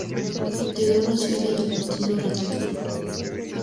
Integró las filas del Partido Radical.